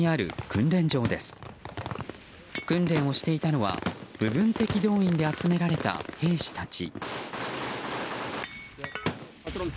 訓練をしていたのは部分的動員で集められた兵士たち。